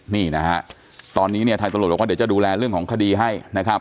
นี่นะฮะตอนนี้เนี่ยทางตำรวจบอกว่าเดี๋ยวจะดูแลเรื่องของคดีให้นะครับ